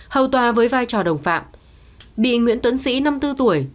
hầu tòa với vai trò đồng phạm bị nguyễn tuấn sĩ năm mươi bốn tuổi